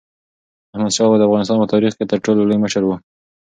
احمدشاه بابا د افغانستان په تاریخ کې تر ټولو لوی مشر و.